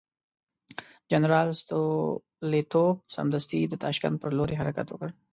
جنرال ستولیتوف سمدستي د تاشکند پر لور حرکت وکړ.